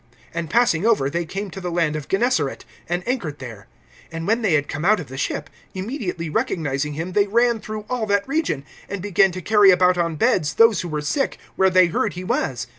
(53)And passing over, they came to the land of Gennesaret, and anchored there. (54)And when they had come out of the ship, immediately recognizing him (55)they ran through all that region, and began to carry about on beds those who were sick, where they heard he was.